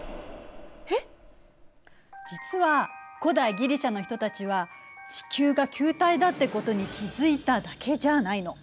実は古代ギリシアの人たちは地球が球体だってことに気付いただけじゃないの。